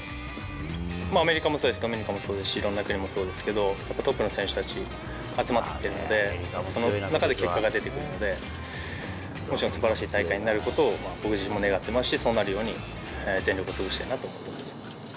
アメリカもそうですし、ドミニカもそうですし、いろんな国もそうですけど、トップの選手たち、集まってきているので、その中で結果が出てくるので、もちろんすばらしい大会になることを僕自身も願ってますし、そうなるように全力を尽くしたいなと思ってます。